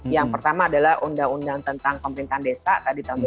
yang pertama adalah undang undang tentang pemerintahan desa tadi tahun dua ribu